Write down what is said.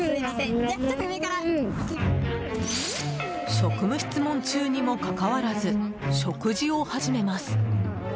職務質問中にもかかわらず食事を始めます。